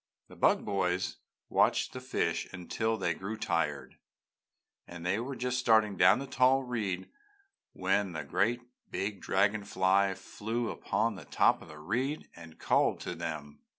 The Bug Boys watched the fish until they grew tired, and they were just starting down the tall reed when a great big dragon fly flew upon the top of the reed and called to them.